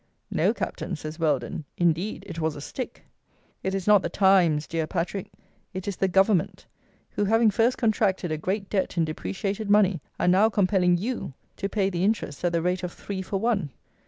"No, Captain," says Welldon, "indeed it was a stick." It is not the times, dear Patrick: it is the government, who, having first contracted a great debt in depreciated money, are now compelling you to pay the interest at the rate of three for one.